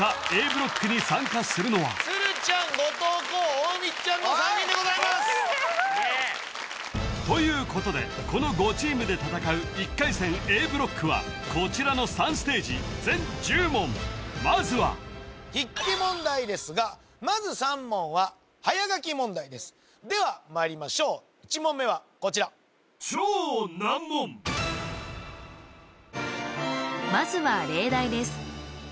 Ａブロックに参加するのは鶴ちゃん後藤弘大道ちゃんの３人でございますということでこの５チームで戦う１回戦Ａブロックはこちらの３ステージ全１０問まずは筆記問題ですがまず３問は早書き問題ですではまいりましょう１問目はこちらまずは例題です